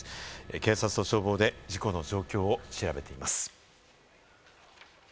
警察と消防で事故の状況を調べています。